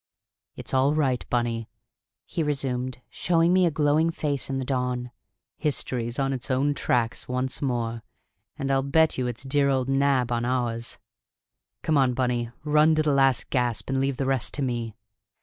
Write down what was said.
"It's all right, Bunny," he resumed, showing me a glowing face in the dawn. "History's on its own tracks once more, and I'll bet you it's dear old Nab on ours! Come on, Bunny; run to the last gasp, and leave the rest to me."